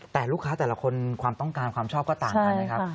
แต่ลูกค้าแต่ละคนความต้องการความชอบก็ต่างกันนะครับ